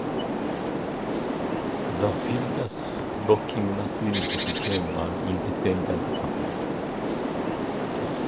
The Philidas locking nut unit became an independent company.